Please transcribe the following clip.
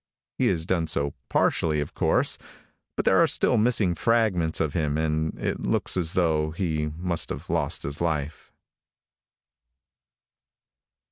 He has done so partially, of course, but there are still missing fragments of him, and it looks as though he must have lost his life.